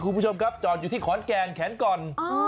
คุณผู้ชมครับจอดอยู่ที่ขอนแก่นแขนก่อน